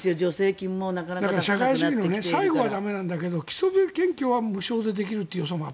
社会主義も最後は駄目なんだけど基礎研究は無償でできるという。